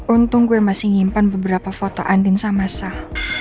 untung gue masih nyimpan beberapa foto andin sama sah